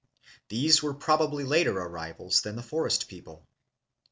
These were probably later arrivals than the forest people.